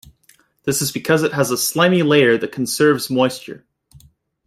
This is because it has a slimy layer that conserves moisture.